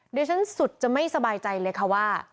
เดี๋ยวฉันสุดจะไม่สบายใจเลยค่ะว่า